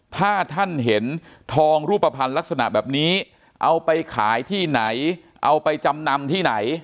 ถ้าท่านเห็นทองรูปภัณฑ์ลักษณะแบบนี้เอาไปขายที่ไหนเอาไปจำนำที่ไหน